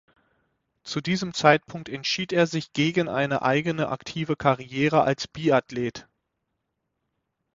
Zu diesem Zeitpunkt entschied er sich gegen eine eigene aktive Karriere als Biathlet.